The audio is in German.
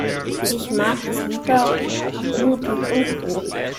Ich mag es lieber blutig und roh.